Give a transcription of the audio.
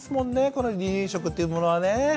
この離乳食というものはね。